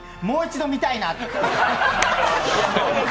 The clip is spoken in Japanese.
もう一度、見たいな。